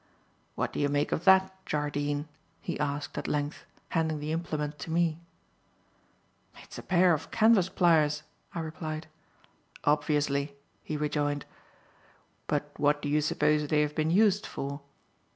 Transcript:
"What do you make of that, Jardine?" he asked, at length, handing the implement to me. "It's a pair of canvas pliers," I replied. "Obviously," he rejoined, "but what do you suppose they have been used for?"